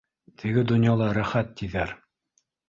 — Теге донъяла рәхәт, тиҙәр.